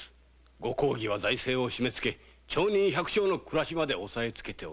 御公儀は財政を締めつけ町人百姓の暮らしまで押えつけ。